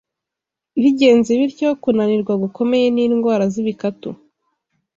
Bigenze bityo, kunanirwa gukomeye n’indwara z’ibikatu